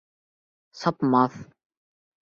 Сапмаҫ!